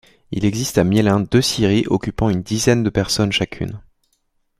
Il existe à Miellin deux scieries occupant une dizaine de personnes chacune.